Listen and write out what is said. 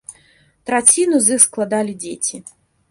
Траціну з іх складалі дзеці.